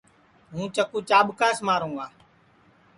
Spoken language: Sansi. ہوں چکُو چاٻکاس ماروں گا